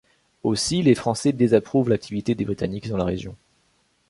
Aussi, les Français désapprouvent l'activité des Britanniques dans la région.